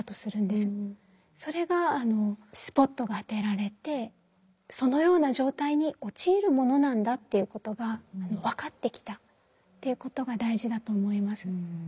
それがスポットが当てられてそのような状態に陥るものなんだっていうことが分かってきたっていうことが大事だと思います。